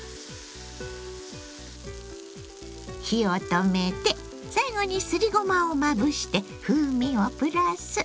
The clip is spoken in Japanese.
火を止めて最後にすりごまをまぶして風味をプラス。